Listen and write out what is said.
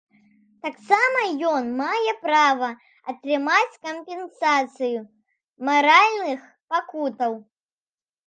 Таксама ён мае права атрымаць кампенсацыю маральных пакутаў.